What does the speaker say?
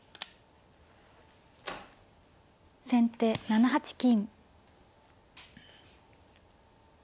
先手７八金。